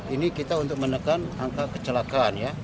ini kita untuk menekan angka kecelakaan ya